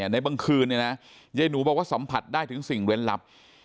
ในบางคืนยายหนูบอกว่าสัมผัสได้ถึงสิ่งเล่นลับ